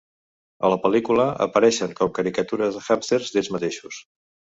A la pel·lícula, apareixen com caricatures de hàmster d'ells mateixos.